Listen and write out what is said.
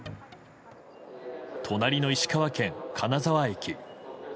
隣の石川県金沢駅。